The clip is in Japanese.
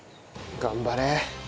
頑張れ！